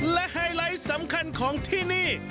และไฮไลท์สำคัญของที่นี่